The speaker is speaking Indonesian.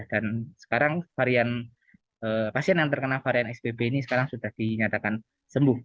dan sekarang varian pasien yang terkena varian xbb ini sekarang sudah dinyatakan sembuh